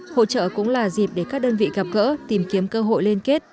hội trợ cũng là dịp để các đơn vị gặp gỡ tìm kiếm cơ hội liên kết